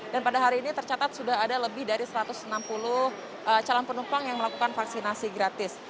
dan pada hari ini tercatat sudah ada lebih dari satu ratus enam puluh calon penumpang yang melakukan vaksinasi gratis